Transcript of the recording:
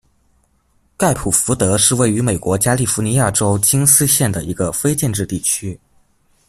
盖普福德是位于美国加利福尼亚州金斯县的一个非建制地区。